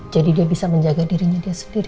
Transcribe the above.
jadi dia bisa menjaga dirinya dia sendiri